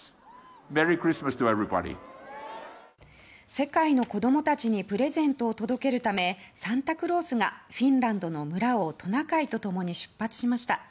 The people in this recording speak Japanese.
世界の子供たちにプレゼントを届けるためサンタクロースがフィンランドの村をトナカイと共に出発しました。